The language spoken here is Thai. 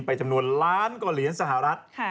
จำนวนล้านกว่าเหรียญสหรัฐ